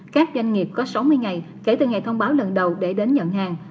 các doanh nghiệp có sáu mươi ngày kể từ ngày thông báo lần đầu để đến nhận hàng